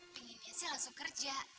pengennya sih langsung kerja